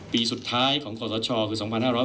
ปีสุดท้ายของขอสชคือ๒๕๖๐